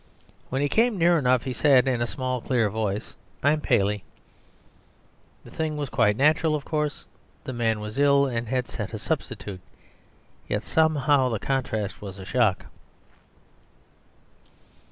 When he came near enough he said, in a small, clear voice, "I'm Paley." The thing was quite natural, of course; the man was ill and had sent a substitute. Yet somehow the contrast was a shock.